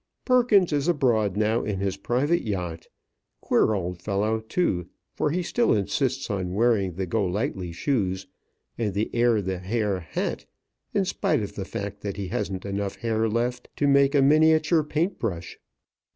Perkins is abroad now in his private yacht. Queer old fellow, too, for he still insists on wearing the Go lightly shoes and the Air the Hair hat, in spite of the fact that he hasn't enough hair left to make a miniature paint brush.